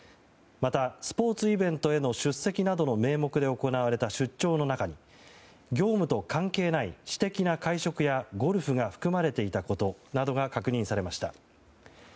また、スポーツイベントへの出席などの名目で行われた出張の中に、業務と関係ない私的な会食やゴルフが含まれていたことなどが確認されました。